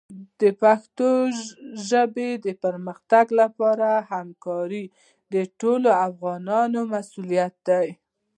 د پښتو ژبې د پرمختګ لپاره همکاري د ټولو افغانانو مسؤلیت دی.